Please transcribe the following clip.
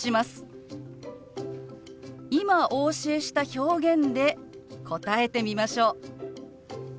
今お教えした表現で答えてみましょう。